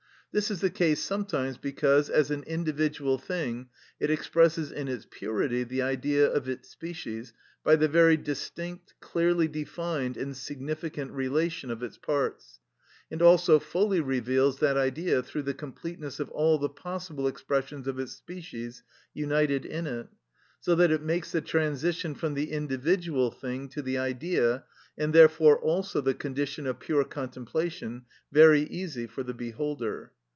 This is the case sometimes because, as an individual thing, it expresses in its purity the Idea of its species by the very distinct, clearly defined, and significant relation of its parts, and also fully reveals that Idea through the completeness of all the possible expressions of its species united in it, so that it makes the transition from the individual thing to the Idea, and therefore also the condition of pure contemplation, very easy for the beholder.